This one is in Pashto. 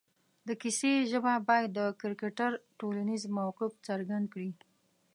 د کیسې ژبه باید د کرکټر ټولنیز موقف څرګند کړي